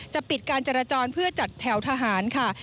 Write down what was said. ปิดการจราจรเพื่อจัดแถวทหารค่ะ